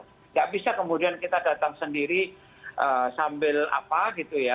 tidak bisa kemudian kita datang sendiri sambil apa gitu ya